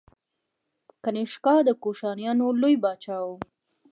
کنیشکا د کوشانیانو لوی پاچا و.